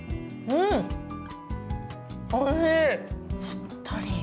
しっとり。